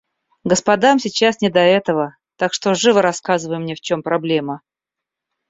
Господам сейчас не до этого, так что живо рассказывай мне в чем проблема.